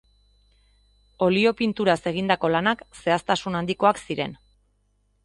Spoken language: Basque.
Olio pinturaz egindako lanak zehaztasun handikoak ziren.